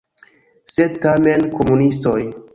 Sed tamen komunistoj.